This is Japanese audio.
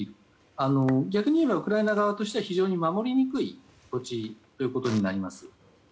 逆に言えばウクライナ側としては非常に守りにくい土地ということになります。